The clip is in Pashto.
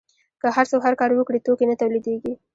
که هر څوک هر کار وکړي توکي نه تولیدیږي.